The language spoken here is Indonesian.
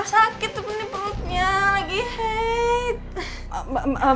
sakit tuh ini peluknya lagi hate